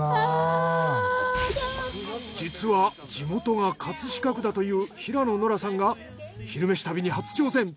実は地元が葛飾区だという平野ノラさんが「昼めし旅」に初挑戦。